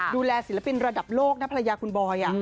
ศิลปินระดับโลกนะภรรยาคุณบอย